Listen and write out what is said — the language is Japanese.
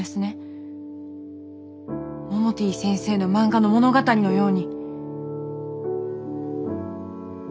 モモティ先生の漫画の物語のように。